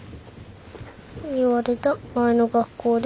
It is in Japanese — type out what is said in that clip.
言われた前の学校で。